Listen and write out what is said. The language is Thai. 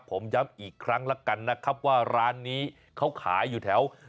ผมย้ำอีกครั้งแล้วกันนะครับว่าร้านนี้เขาขายอยู่แถว